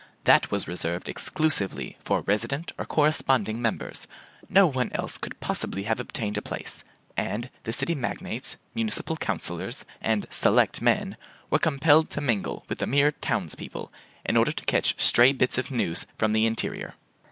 That was reserved exclusively for resident or corresponding members; no one else could possibly have obtained a place; and the city magnates, municipal councilors, and "select men" were compelled to mingle with the mere townspeople in order to catch stray bits of news from the interior.